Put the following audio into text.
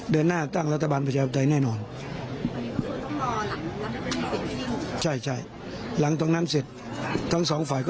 ดึงอาจจะมี